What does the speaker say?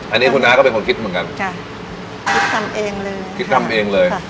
อันนี้คุณน้าก็เป็นคนคิดเหมือนกันจ้ะคิดทำเองเลยคิดทำเองเลยค่ะ